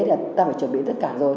thì ta phải chuẩn bị tất cả rồi